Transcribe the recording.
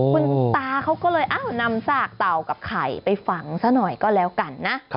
คุณตาเขาก็เลยนำซากเต่ากับไข่ไปฝังซะหน่อยก็แล้วกันนะ